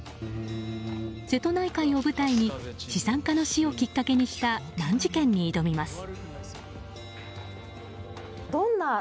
瀬戸内海を舞台に、資産家の死をきっかけにした難事件に挑みます。